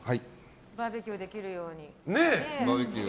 バーベキューで切るように。